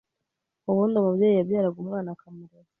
ubundi umubyeyi yabyaraga umwana akamurera